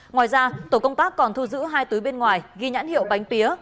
ngoài ra tổ công tác còn thu giữ hai túi bên ngoài ghi nhãn hiệu bánh pía